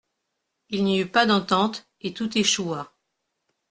Il n'y eut pas d'entente, et tout échoua.